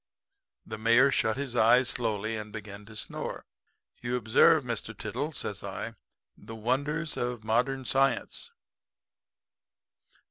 "The Mayor shut his eyes slowly and began to snore. "'You observe, Mr. Tiddle,' says I, 'the wonders of modern science.'